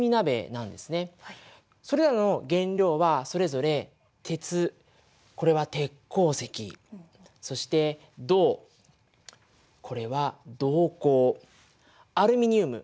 それらの原料はそれぞれ鉄これは鉄鉱石そして銅これは銅鉱アルミニウム